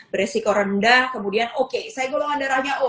beresiko rendah kemudian oke saya golongan darahnya oh